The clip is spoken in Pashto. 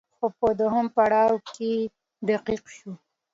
خو په دويم پړاو کې دقيق شو